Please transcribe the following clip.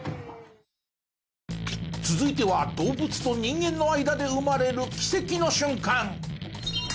続いては動物と人間の間で生まれる奇跡の瞬間。